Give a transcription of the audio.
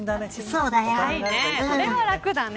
それは楽だね。